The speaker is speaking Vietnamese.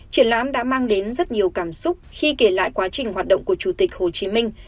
triển lãm đã mang đến rất nhiều cảm xúc khi kể lại quá trình hoạt động của chủ tịch hồ chí minh